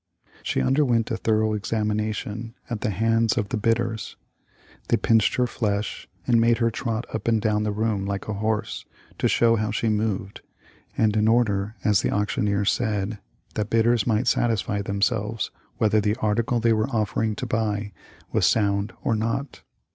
She underwent a thorough examination at the hands of 'J^ The L!PE of LINCOLN. the bidders ; they pinched her flesh and made her trot up and down the room like a horse, to show how she moved, and in order, as the auctioneer said, that " bidders might satisfy themselves " whether the article they were offering to buy was sound or not.